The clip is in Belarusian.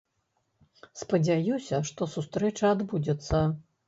Спадзяюся, што сустрэча адбудзецца.